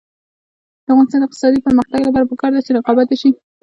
د افغانستان د اقتصادي پرمختګ لپاره پکار ده چې رقابت وشي.